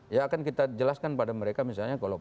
ya akan kita jelaskan pada mereka misalnya kalau pan ini